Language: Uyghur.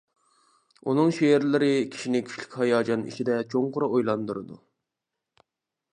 ئۇنىڭ شېئىرلىرى كىشىنى كۈچلۈك ھاياجان ئىچىدە چوڭقۇر ئويلاندۇرىدۇ.